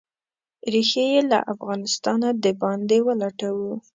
ریښې یې له افغانستانه د باندې ولټوو.